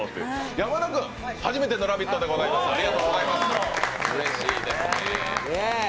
山田君初めての「ラヴィット！」でございます、うれしいですね。